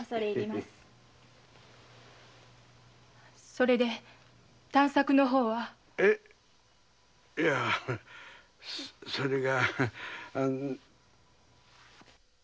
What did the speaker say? それで探索の方は？え⁉いやそれがあのう。